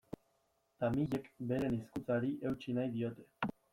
Tamilek beren hizkuntzari eutsi nahi diote.